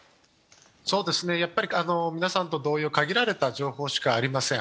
やっぱり皆さんと同様、限られた情報しかありません。